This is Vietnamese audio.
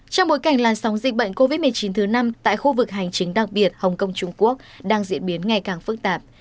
trong bối cảnh làn sóng dịch bệnh covid một mươi chín thứ năm tại khu vực hành chính đặc biệt hồng kông trung quốc đang diễn biến ngày càng phức tạp